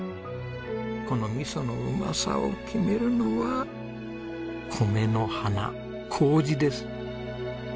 この味噌のうまさを決めるのは米の花糀です。